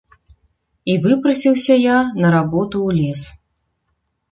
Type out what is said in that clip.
І выпрасіўся я на работу ў лес.